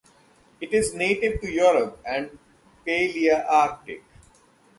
It is native to Europe and the Palearctic.